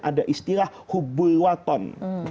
ada istilah hubulwaton